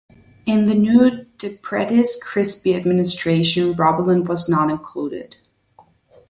In the new Depretis-Crispi administration Robilant was not included.